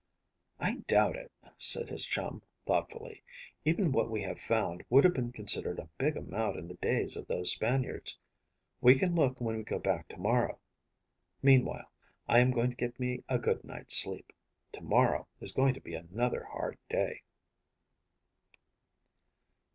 "I doubt it," said his chum, thoughtfully. "Even what we have found would have been considered a big amount in the days of those Spaniards. We can look when we go back to morrow. Meanwhile, I am going to get me a good night's sleep. To morrow is going to be another hard day."